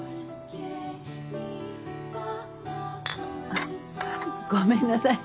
あっごめんなさい。